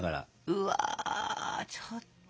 うわちょっと。